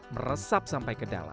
meresap sampai ke dalam